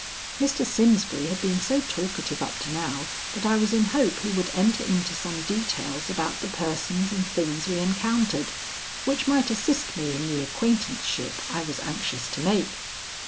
Mr. Simsbury had been so talkative up to now that I was in hope he would enter into some details about the persons and things we encountered, which might assist me in the acquaintanceship I was anxious to make.